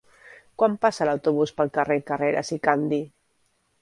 Quan passa l'autobús pel carrer Carreras i Candi?